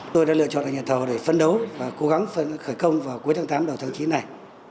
tôi đã lựa chọn hà nội để phân đấu và cố gắng phân khởi công vào cuối tháng tám đầu tháng chín này